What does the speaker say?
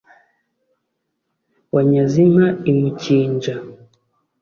wanyaze inka i mukinja